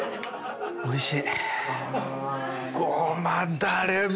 おいしい。